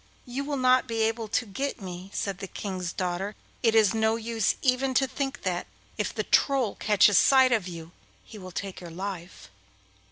you will not be able to get me,' said the King's daughter. 'It is no use even to think of that; if the Troll catches sight of you he will take your life.